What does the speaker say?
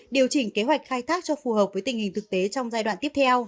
điều chỉnh kế hoạch khai thác cho phù hợp với tình hình thực tế trong giai đoạn tiếp theo